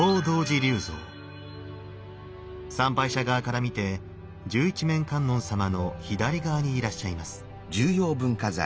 参拝者側から見て十一面観音様の左側にいらっしゃいます。